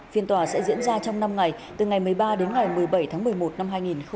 phiên tòa sẽ diễn ra trong năm ngày từ ngày một mươi ba đến ngày một mươi bảy tháng một mươi một năm hai nghìn hai mươi